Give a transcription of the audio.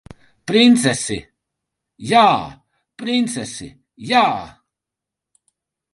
Princesi jā! Princesi jā!